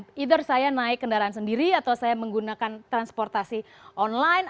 either saya naik kendaraan sendiri atau saya menggunakan transportasi online